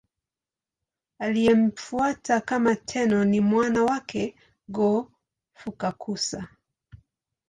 Aliyemfuata kama Tenno ni mwana wake Go-Fukakusa.